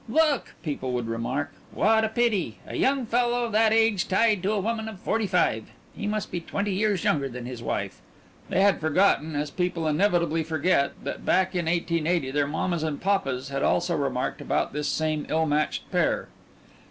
"Look!" people would remark. "What a pity! A young fellow that age tied to a woman of forty five. He must be twenty years younger than his wife." They had forgotten as people inevitably forget that back in 1880 their mammas and papas had also remarked about this same ill matched pair.